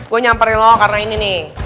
gua nyamperin lu karena ini nih